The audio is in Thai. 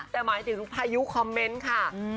แต่หมายถึงพายุคอมเมนต์ค่ะ